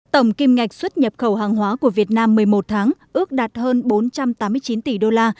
tổng kim ngạch xuất nhập khẩu hàng hóa của việt nam một mươi một tháng ước đạt hơn bốn trăm tám mươi chín tỷ đô la